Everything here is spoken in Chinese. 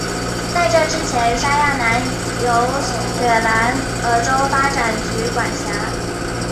在这之前沙亚南由雪兰莪州发展局管辖。